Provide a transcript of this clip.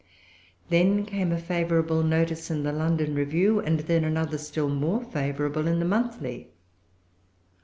Then came a favorable notice in the London Review; then another still more favorable in the Monthly.